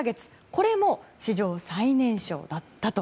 これも史上最年少だったと。